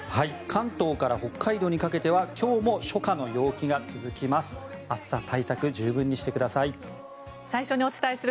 関東から北海道にかけては今日も初夏の陽気が続きます。